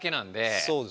そうです。